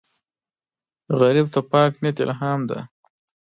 غریب ته پاک نیت الهام دی